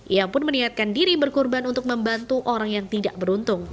ia pun meniatkan diri berkurban untuk membantu orang yang tidak beruntung